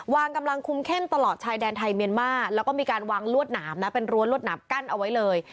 วางกำลังคุมเข้มตลอดชายแดนไทยเมียนมาแล้วก็มีการวางลวดหนามนะเป็นรั้วรวดหนามกั้นเอาไว้เลย